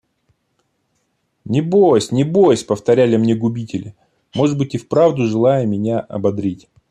«Не бось, не бось», – повторяли мне губители, может быть и вправду желая меня ободрить.